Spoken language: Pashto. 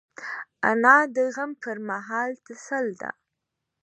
انا د غم پر مهال تسل ده